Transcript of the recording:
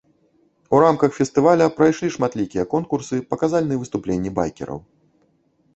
У рамках фестываля прайшлі шматлікія конкурсы, паказальныя выступленні байкераў.